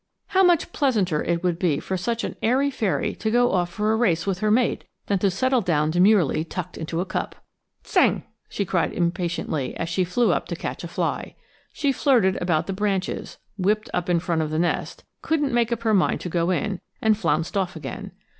How much pleasanter it would be for such an airy fairy to go off for a race with her mate than to settle down demurely tucked into a cup! "Tsang," she cried impatiently as she flew up to catch a fly. She flirted about the branches, whipped up in front of the nest, couldn't make up her mind to go in, and flounced off again.